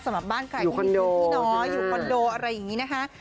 สำหรับบ้านไก่พี่น้อยอยู่คอนโดอะไรอย่างนี้นะค่ะ